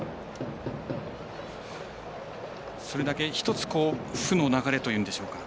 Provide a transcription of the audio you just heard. それだけ１つ負の流れというんでしょうか。